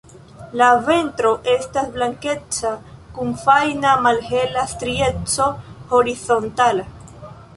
La ventro estas blankeca kun fajna malhela strieco horizontala.